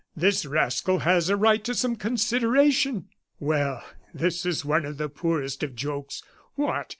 "This rascal has a right to some consideration! Well, this is one of the poorest of jokes. What!